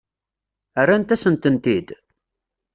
Rrant-asen-tent-id?